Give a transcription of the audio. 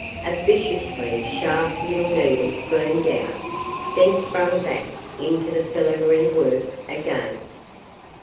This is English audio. A viciously sharp little needle gleamed out then sprang back into the filigree work again.